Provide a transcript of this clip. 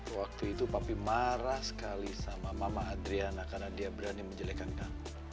waktu itu papi marah sekali sama mama adriana karena dia berani menjelekan kamu